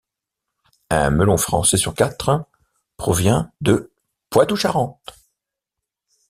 Un melon français sur quatre provient de Poitou-Charentes.